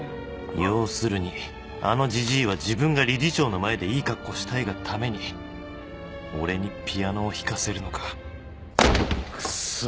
要するにあのじじいは自分が理事長の前でいい格好したいがために俺にピアノを弾かせるのかクソ！